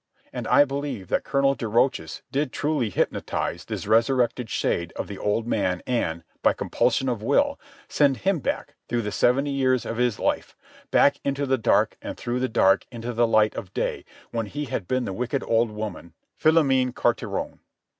And I believe that Colonel de Rochas did truly hypnotize this resurrected shade of the old man and, by compulsion of will, send him back through the seventy years of his life, back into the dark and through the dark into the light of day when he had been the wicked old woman, Philomène Carteron.